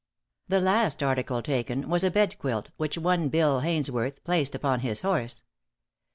The last article taken was a bed quilt, which one Bill Haynesworth placed upon his horse.